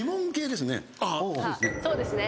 そうですね。